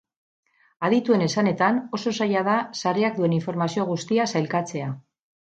Adituen esanetan oso zaila da sareak duen informazio guztia sailkatzea.